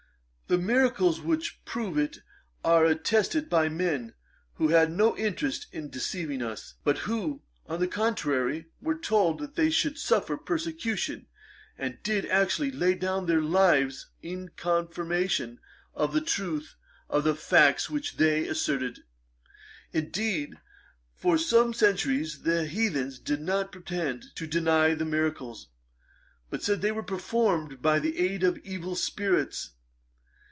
The miracles which prove it are attested by men who had no interest in deceiving us; but who, on the contrary, were told that they should suffer persecution, and did actually lay down their lives in confirmation of the truth of the facts which they asserted. Indeed, for some centuries the heathens did not pretend to deny the miracles; but said they were performed by the aid of evil spirits.